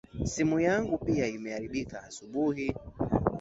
Simu yangu pia imeharibika asubuhi